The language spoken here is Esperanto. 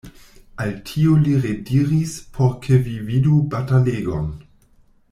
Al tio li rediris, por ke vi vidu batalegon.